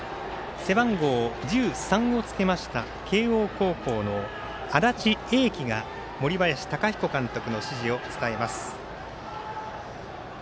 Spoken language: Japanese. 背番号１３をつけました慶応高校の安達英輝が森林貴彦監督の指示を伝えます。